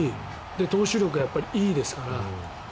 投手力いいですから。